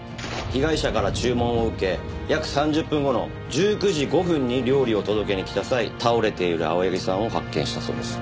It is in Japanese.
被害者から注文を受け約３０分後の１９時５分に料理を届けに来た際倒れている青柳さんを発見したそうです。